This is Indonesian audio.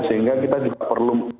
sehingga kita juga perlu